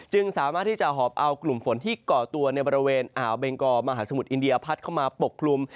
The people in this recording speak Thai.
สามารถที่จะหอบเอากลุ่มฝนที่ก่อตัวในบริเวณอ่าวเบงกอมหาสมุทรอินเดียพัดเข้ามาปกคลุม